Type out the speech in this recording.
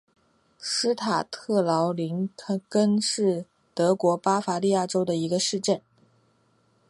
施塔特劳林根是德国巴伐利亚州的一个市镇。